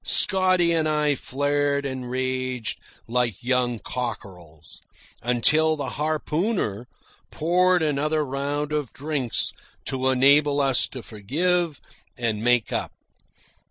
Scotty and I flared and raged like young cockerels, until the harpooner poured another round of drinks to enable us to forgive and make up.